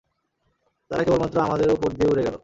তারা কেবলমাত্র আমাদের উপর দিয়ে উড়ে গেলো।